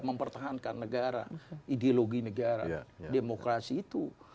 mempertahankan negara ideologi negara demokrasi itu